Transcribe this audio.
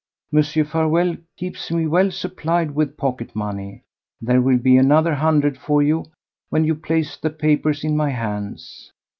Mr. Farewell keeps me well supplied with pocket money. There will be another hundred for you when you place the papers in my hands."